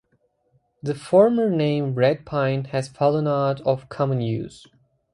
The former name "red pine" has fallen out of common use.